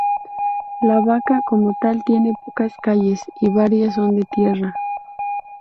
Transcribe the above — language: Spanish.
La Vaca como tal tiene pocas calles y varias son de tierra.